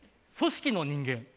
組織の人間。